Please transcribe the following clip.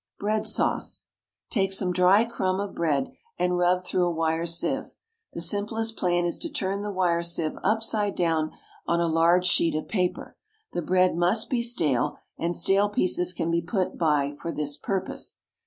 BREAD SAUCE. Take some dry crumb of bread, and rub through a wire sieve. The simplest plan is to turn the wire sieve upside down on a large sheet of paper. The bread must be stale, and stale pieces can be put by for this purpose.